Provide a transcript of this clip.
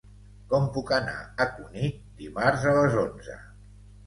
Com puc anar a Cunit dimarts a les onze?